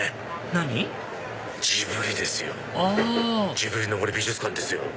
ジブリの森美術館ですよ！